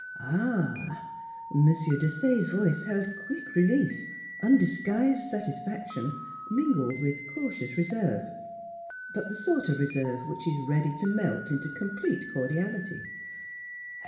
"A a ah!" M. Desaye's voice held quick relief, undisguised satisfaction, mingled with cautious reserve but the sort of reserve which is ready to melt into complete cordiality.